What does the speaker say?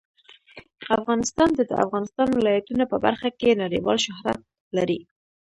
افغانستان د د افغانستان ولايتونه په برخه کې نړیوال شهرت لري.